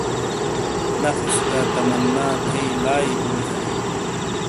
نفس گہ تمنا تھئیی لائی بو جا ائیی۔